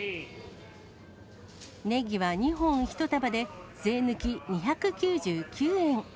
ネギは２本１束で税抜き２９９円。